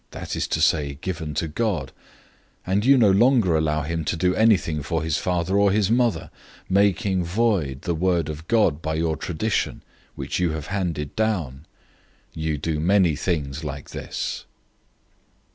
}, that is to say, given to God;"' 007:012 then you no longer allow him to do anything for his father or his mother, 007:013 making void the word of God by your tradition, which you have handed down. You do many things like this."